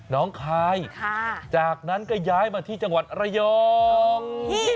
น้องคายจากนั้นก็ย้ายมาที่จังหวัดระยอง